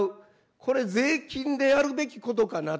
これ税金でやるべきことかなと。